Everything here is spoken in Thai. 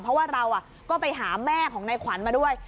เพราะว่าเราก็ไปหาแม่ของนายขวัญมาด้วย